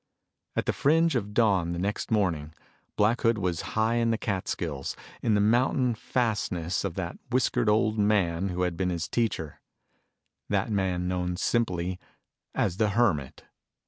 At the fringe of dawn the next morning, Black Hood was high in the Catskills, in the mountain fastness of that whiskered old man who had been his teacher that man known simply as the Hermit.